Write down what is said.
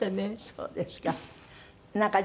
そうですか。